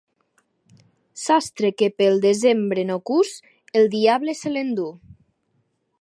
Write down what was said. Sastre que pel desembre no cus, el diable se l'enduu.